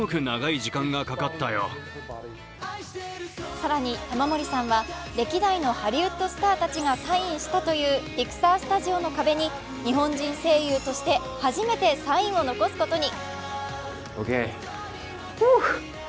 更に玉森さんは歴代のハリウッドスターたちがサインしたというピクサー・スタジオの壁に日本人声優として初めてサインを残すことに。